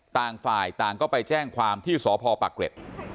ต่างฝ่ายต่างก็ไปแจ้งความที่สพปะเกร็ด